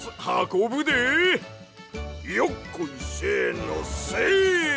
よっこいせのせい！